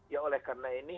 ya oleh karena ini